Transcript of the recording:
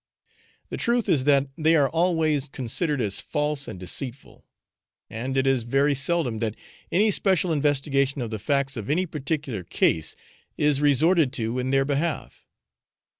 The truth is that they are always considered as false and deceitful, and it is very seldom that any special investigation of the facts of any particular case is resorted to in their behalf.